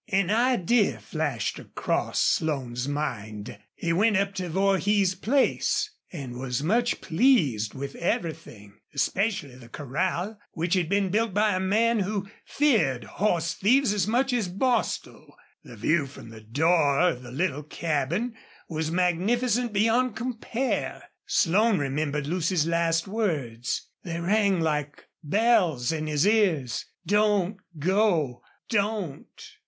An idea flashed across Slone's mind. He went up to Vorhees's place and was much pleased with everything, especially the corral, which had been built by a man who feared horse thieves as much as Bostil. The view from the door of the little cabin was magnificent beyond compare. Slone remembered Lucy's last words. They rang like bells in his ears. "Don't go don't!"